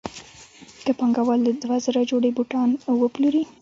که پانګوال دوه زره جوړې بوټان وپلوري